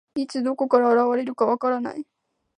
いつ、どこから現れるか分からない。